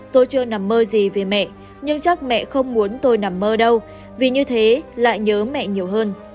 tôi chưa nằm mơ gì về mẹ nhưng chắc mẹ không muốn tôi nằm mơ đâu vì như thế lại nhớ mẹ nhiều hơn